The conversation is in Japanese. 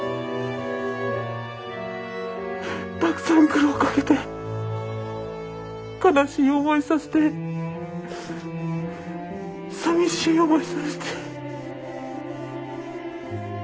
たくさん苦労かけて悲しい思いさせてさみしい思いさせて。